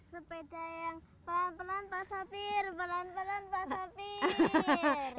sepeda yang pelan pelan pak sopir pelan pelan pak sopir